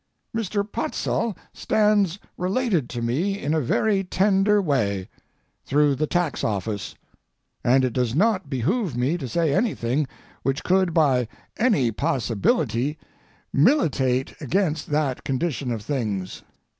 Mr. Putzel stands related to me in a very tender way (through the tax office), and it does not behoove me to say anything which could by any possibility militate against that condition of things.